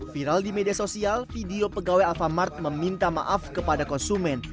viral di media sosial video pegawai alfamart meminta maaf kepada konsumen